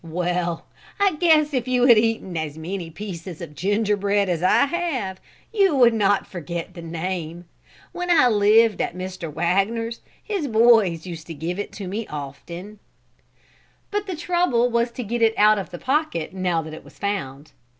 "Well, I guess if you had eaten as many pieces of gingerbread as I have you would not forget the name. When I lived at Mr. Wagner's, his boys used to give it to me often." But the trouble was to get it out of the pocket now that it was found.